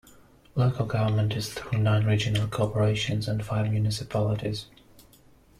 Local government is through nine Regional Corporations and five municipalities.